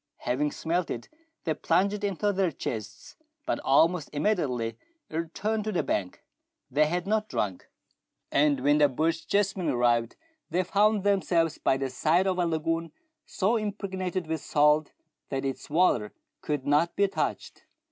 Having smelt it, they plunged in to their chests, but almost imme diately returned to the bank. They had not drunk, and when the Bochjesmen arrived they found themselves by the side of a lagoon so impregnated with salt that its water could not be touched.